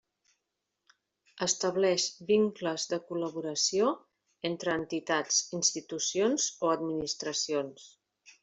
Estableix vincles de col·laboració entre entitats, institucions o administracions.